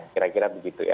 kira kira begitu ya